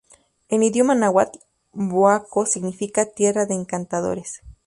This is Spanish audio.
En idioma náhuatl, "boaco" significa ‘tierra de encantadores’.